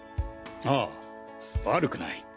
ああ悪くない。